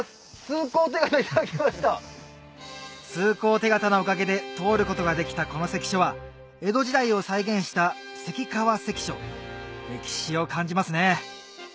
通行手形のおかげで通ることができたこの関所は江戸時代を再現した歴史を感じますね